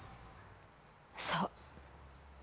そう。